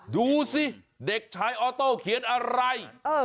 ดูสิเด็กชายออโต้เขียนอะไร